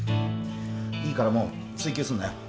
いいからもう追求すんなよ